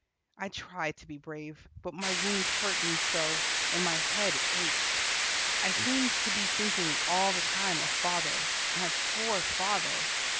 I tried to be brave, but my wounds hurt me so, and my head ached. I seemed to be thinking all the time of father. My poor father!